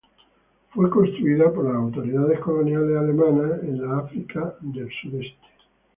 Fue construida por las autoridades coloniales alemanas de la África del Sudoeste.